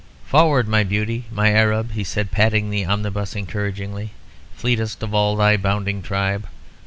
"Forward, my beauty, my Arab," he said, patting the omnibus encouragingly, "fleetest of all thy bounding tribe.